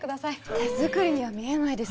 手作りには見えないです